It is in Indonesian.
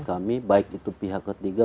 kami baik itu pihak ketiga